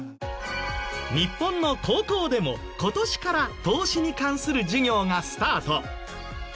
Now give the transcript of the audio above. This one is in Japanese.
日本の高校でも今年から投資に関する授業がスタート。